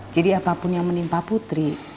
jadi apapun yang menimpa putri